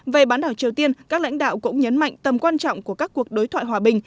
về bán đảo triều tiên các lãnh đạo cũng nhấn mạnh tầm quan trọng của các cuộc đối thoại hòa bình